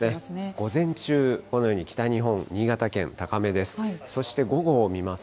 午前中、このように北日本、新潟県、高めです。